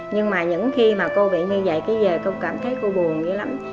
nhưng mà những khi mà cô bị như vậy cái giờ cô cảm thấy cô buồn vậy lắm